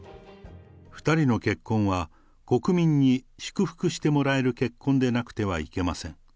２人の結婚は、国民に祝福してもらえる結婚でなくてはいけません。